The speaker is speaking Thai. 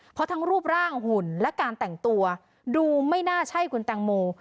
เพราะทั้งรูปร่างหุ่นและการแต่งตัวดูไม่น่าใช่คุณแตงโม